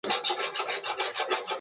twabandilisha mabadiliko ya kijamii